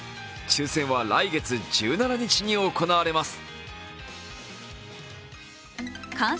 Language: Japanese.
抽選は来月１７日に行われます。